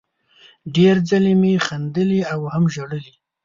ډېر ځلې مې خندلي او هم ژړلي